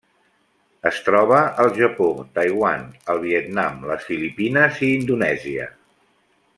Es troba al Japó, Taiwan, el Vietnam, les Filipines i Indonèsia.